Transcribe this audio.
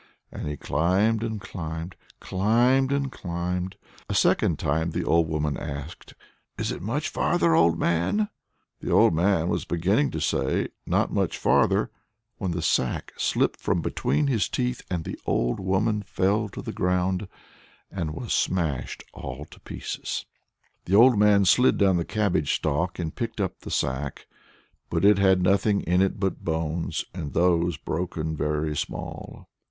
Again he climbed and climbed, climbed and climbed. A second time the old woman asked: "Is it much farther, old man?" The old man was just beginning to say: "Not much farther " when the sack slipped from between his teeth, and the old woman fell to the ground and was smashed all to pieces. The old man slid down the cabbage stalk and picked up the sack. But it had nothing in it but bones, and those broken very small.